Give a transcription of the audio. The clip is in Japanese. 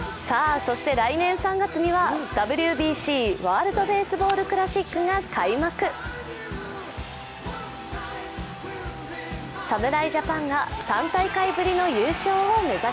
そして来年３月にはＷＢＣ＝ワールドベースボールクラシックが開最新のお天気をお伝えします。